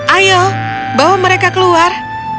ayo bawa mereka keluar